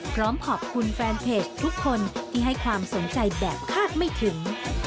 พร้อมขอบคุณแฟนเพจทุกคนที่ให้ความสนใจแบบคาดไม่ถึง